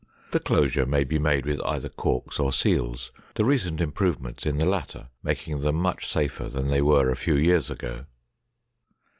The closure may be made with either corks or seals, the recent improvements in the latter making them much safer than they were a few years ago.